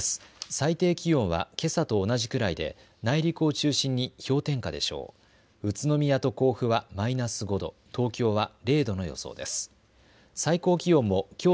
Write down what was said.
最低気温は、けさと同じくらいで内陸を中心に氷点下でしょう。